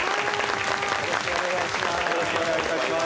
よろしくお願いします。